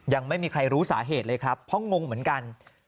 ยังไม่มีใครรู้สาเหตุเลยครับเพราะงงเหมือนกัน